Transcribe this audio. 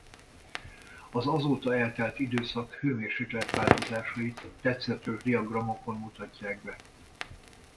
Az azóta eltelt időszak hőmérséklet-változásait tetszetős diagramokon mutatják be.